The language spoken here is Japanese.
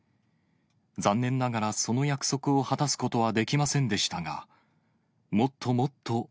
残念ながらその約束を果たすことはできませんでしたが。